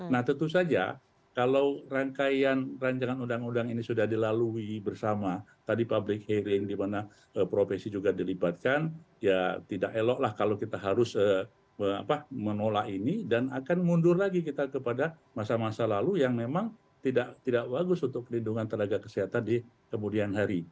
nah tentu saja kalau rangkaian ranjangan undang undang ini sudah dilalui bersama tadi public hearing dimana profesi juga dilibatkan ya tidak elok lah kalau kita harus menolak ini dan akan mundur lagi kita kepada masa masa lalu yang memang tidak bagus untuk lindungan tenaga kesehatan di kemudian hari